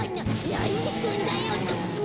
なにすんだよ！